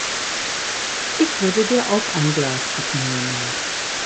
Ich würde dir auch ein Glas abnehmen.